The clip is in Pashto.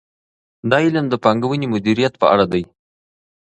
دا علم د پانګونې مدیریت په اړه دی.